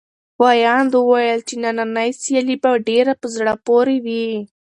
ویاند وویل چې نننۍ سیالي به ډېره په زړه پورې وي.